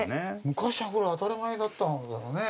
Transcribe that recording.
昔はこれ当たり前だったんだけどね。